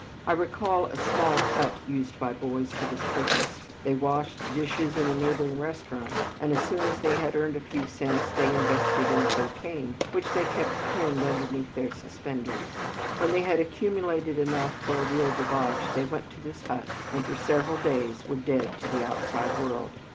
I recall a small hut used by boys for this purpose. They washed dishes in a neighboring restaurant and as soon as they had earned a few cents they invested in cocaine which they kept pinned underneath their suspenders. When they had accumulated enough for a real debauch they went to this hut and for several days were dead to the outside world.